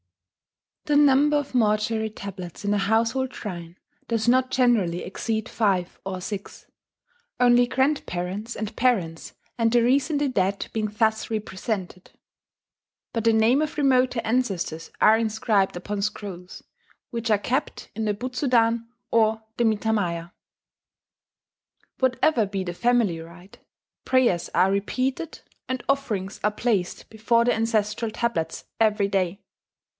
The number of mortuary tablets in a household shrine does not generally exceed five or six, only grandparents and parents and the recently dead being thus represented; but the name of remoter ancestors are inscribed upon scrolls, which are kept in the Butsudan or the mitamaya. Whatever be the family rite, prayers are repeated and offerings are placed before the ancestral tablets every day.